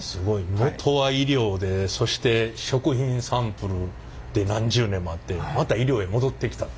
元は医療でそして食品サンプルで何十年もあってまた医療へ戻ってきたって。